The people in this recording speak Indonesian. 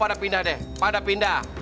pada pindah deh pada pindah